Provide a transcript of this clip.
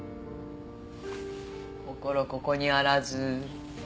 心ここにあらず。